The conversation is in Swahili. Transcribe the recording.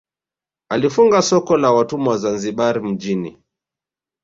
Alifunga soko la watumwa Zanzibar mjini